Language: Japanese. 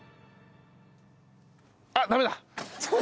あっダメだ。